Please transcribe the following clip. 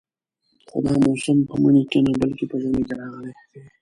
خو دا موسم په مني کې نه بلکې په ژمي کې راغلی دی.